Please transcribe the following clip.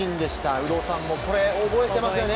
有働さんもこれ覚えていますよね。